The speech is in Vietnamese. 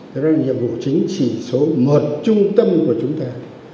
đó là nhiệm vụ chính chỉ số một trung tâm của chúng ta